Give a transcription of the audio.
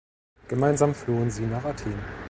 Gemeinsam flohen sie nach Athen.